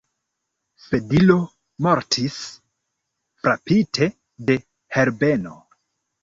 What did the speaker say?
Sedilo mortis, frapite de Herbeno.